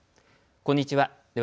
こんにちは。